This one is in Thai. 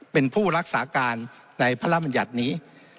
เป็นผู้รักษาการในพระราชมัญญัตินี้